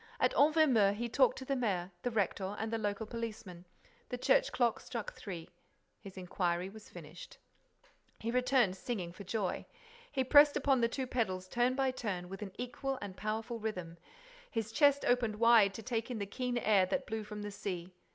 At Envermeu, he talked to the mayor, the rector and the local policeman. The church clock struck three. His inquiry was finished. He returned singing for joy. He pressed upon the two pedals turn by turn, with an equal and powerful rhythm; his chest opened wide to take in the keen air that blew from the sea.